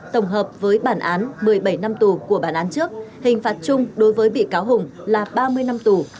tổng hợp với bản án một mươi bảy năm tù của bản án trước hình phạt chung đối với bị cáo hùng là ba mươi năm tù